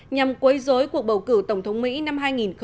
nhằm quấy dối cuộc bầu cử tổng thống mỹ năm hai nghìn một mươi sáu